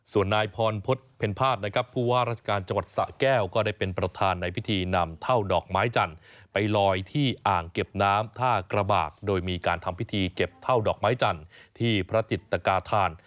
ส่วนนายพรพฤษเพ็ญภาษณนะครับผู้ว่าราชการจังหวัดสะแก้วก็ได้เป็นประธานในพิธีนำเท่าดอกไม้จันทร์ไปลอยที่อ่างเก็บน้ำท่ากระบากโดยมีการทำพิธีเก็บเท่าดอกไม้จันทร์ที่พระจิตกาธาน